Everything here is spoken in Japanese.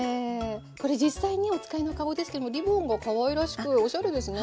これ実際にお使いの籠ですけどもリボンがかわいらしくおしゃれですね。